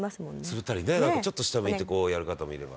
「つぶったりねなんかちょっと下向いてこうやる方もいれば」